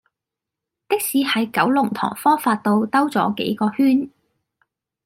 的士喺九龍塘科發道兜左幾個圈